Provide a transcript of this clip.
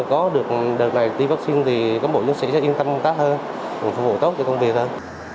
có được đợt này tiêm vắc xin thì cán bộ chiến sĩ sẽ yên tâm công tác hơn phục vụ tốt cho công việc hơn